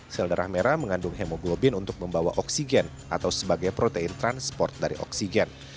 sel darah merah mengandung hemoglobin untuk membawa oksigen atau sebagai protein transport dari oksigen